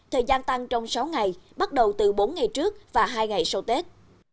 thời gian tăng trong sáu ngày bắt đầu từ bốn ngày trước và hai ngày sau tết